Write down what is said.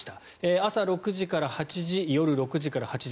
朝６時から８時夜６時から８時。